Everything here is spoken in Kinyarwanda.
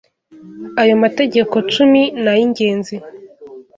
Ayo Mategeko Cumi ni ay’ingenzi